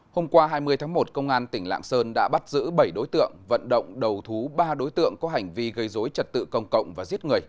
hôm qua hai mươi tháng một công an tỉnh lạng sơn đã bắt giữ bảy đối tượng vận động đầu thú ba đối tượng có hành vi gây dối trật tự công cộng và giết người